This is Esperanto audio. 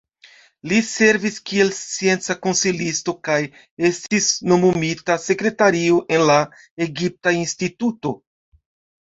Li servis kiel scienca konsilisto, kaj estis nomumita sekretario en la Egipta Instituto.